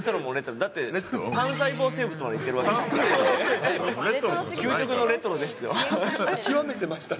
だって、単細胞生物までいってるわけですよね。